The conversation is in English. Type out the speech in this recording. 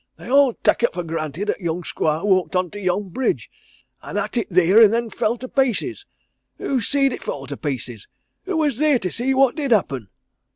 "They all tak' it for granted 'at young squire walked on to yon bridge, an' 'at it theer and then fell to pieces. Who see'd it fall to pieces? Who was theer to see what did happen?"